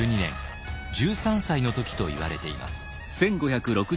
１３歳の時といわれています。